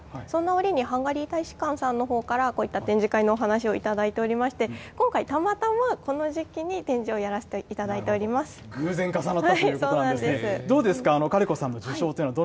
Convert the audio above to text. そんな折にハンガリー大使館さんのほうから、こういった展示会のお話をいただいておりまして、今回、たまたまこの時期に展示をや偶然重なったということなんそうなんです。